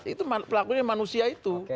itu pelakunya manusia itu